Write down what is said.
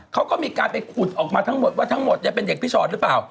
เขาก็มีการไปขุดออกมาทั้งหมดว่าทั้งหมดเป็นเด็กพี่ชอตหรือเปล่า